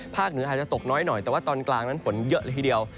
เหนืออาจจะตกน้อยหน่อยแต่ว่าตอนกลางนั้นฝนเยอะเลยทีเดียว